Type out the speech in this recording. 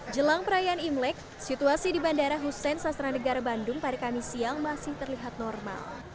jelang perayaan imlek situasi di bandara hussein sastra negara bandung pada kamis siang masih terlihat normal